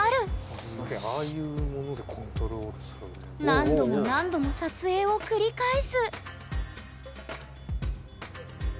何度も何度も撮影を繰り返すお！